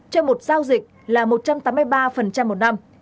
cho một giao dịch là một trăm tám mươi ba một năm